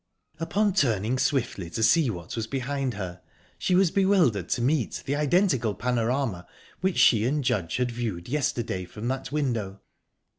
Upon turning swiftly to see what was behind her, she was bewildered to meet the identical panorama which she and Judge had viewed yesterday from that window.